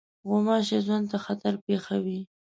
غوماشې ژوند ته خطر پېښوي.